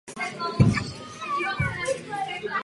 Pobočka nefunguje pro veřejnost.